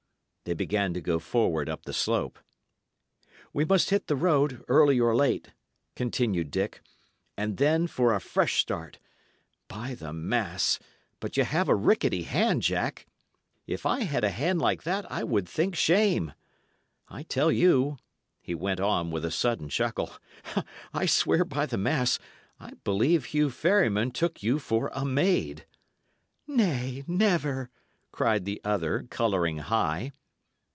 They began to go forward up the slope. "We must hit the road, early or late," continued Dick; "and then for a fresh start. By the mass! but y' 'ave a rickety hand, Jack. If I had a hand like that, I would think shame. I tell you," he went on, with a sudden chuckle, "I swear by the mass I believe Hugh Ferryman took you for a maid." "Nay, never!" cried the other, colouring high.